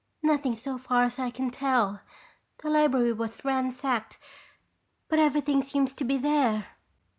"Nothing so far as I can tell. The library was ransacked but everything seems to be there."